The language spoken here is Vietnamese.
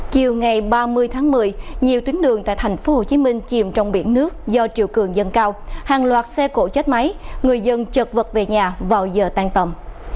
chiều ngày ba mươi tháng một mươi nhiều tuyến đường tại tp hcm chìm trong biển nước do triều cường dâng cao hàng loạt xe cổ chết máy người dân chật vật về nhà vào giờ tan tầm